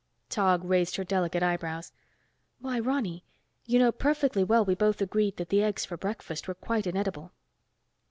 Tog raised her delicate eyebrows. "Why, Ronny. You know perfectly well we both agreed that the eggs for breakfast were quite inedible."